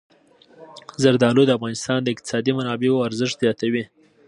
زردالو د افغانستان د اقتصادي منابعو ارزښت زیاتوي.